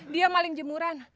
dia maling jemuran